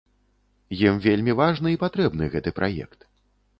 Ім вельмі важны і патрэбны гэты праект.